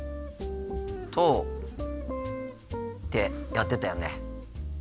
とってやってたよね。